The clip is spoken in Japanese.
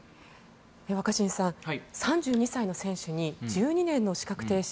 若新さん３２歳の選手に１２年の資格停止。